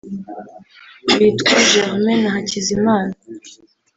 bitwa Germain na Hakizimana